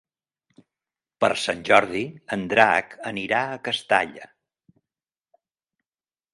Per Sant Jordi en Drac anirà a Castalla.